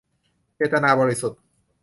เจตนาบริสุทธิ์